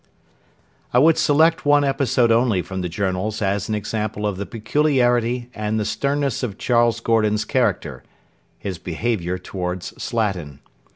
I would select one episode only from the Journals as an example of the peculiarity and the sternness of Charles Gordon's character his behaviour towards Slatin.